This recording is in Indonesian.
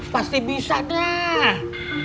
pasti bisa dah